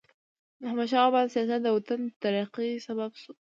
د احمدشاه بابا سیاست د وطن د ترقۍ سبب سو.